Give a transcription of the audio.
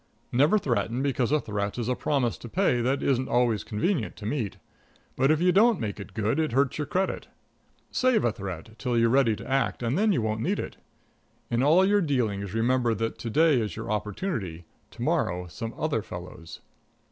Never threaten, because a threat is a promise to pay that it isn't always convenient to meet, but if you don't make it good it hurts your credit. Save a threat till you're ready to act, and then you won't need it. In all your dealings, remember that to day is your opportunity; to morrow some other fellow's.